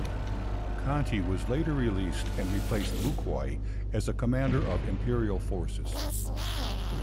Conti was later released and replaced Bucquoy as a commander of Imperial forces.